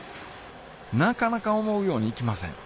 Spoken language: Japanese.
なかなか思うようにいきません